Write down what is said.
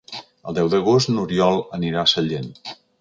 El deu d'agost n'Oriol anirà a Sallent.